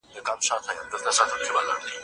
که وخت وي، وخت تېرووم.